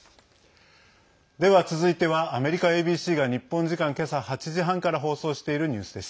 では、続いてはアメリカＡＢＣが日本時間、今朝８時半から放送しているニュースです。